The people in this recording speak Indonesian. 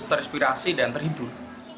terinspirasi dan terhidup